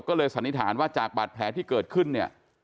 ก็เลยสันนิษฐานว่าจากบาดแผลที่เกิดขึ้นเนี่ย